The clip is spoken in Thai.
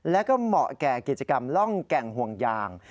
แล้วก็เหมาะแก่กิจกรรมล่องแก่งห่วงยาง